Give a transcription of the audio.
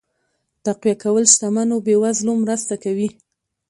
تقويه کول شتمنو بې وزلو مرسته کوي.